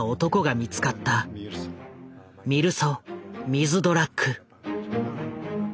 ミルソ・ミズドラック。